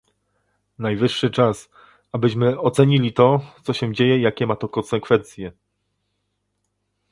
Najwyższy czas, abyśmy ocenili to, co się dzieje i jakie ma to konsekwencje